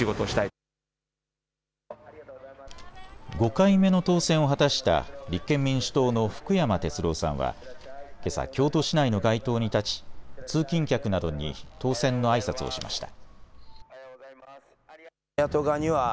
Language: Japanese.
５回目の当選を果たした立憲民主党の福山哲郎さんはけさ、京都市内の街頭に立ち通勤客などに当選のあいさつをしました。